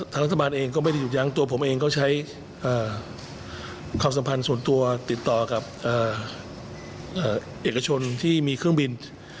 รัฐบาลเองก็ไม่ได้หยุดยั้งตัวผมเองก็ใช้ความสัมพันธ์ส่วนตัวติดต่อกับเอกชนที่มีเครื่องบิน